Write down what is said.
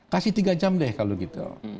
kasih tiga jam deh kalau gitu